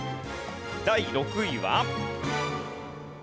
第６位は。